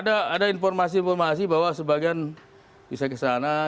ya ada informasi informasi bahwa sebagian bisa kesana